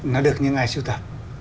nó được như là ai siêu tập